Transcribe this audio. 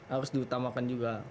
harus diutamakan juga